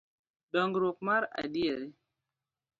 Dongruok mar adieri